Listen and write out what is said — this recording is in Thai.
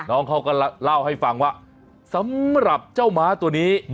น้องเขาก็เล่าให้ฟังว่าสำหรับเจ้าม้าตัวนี้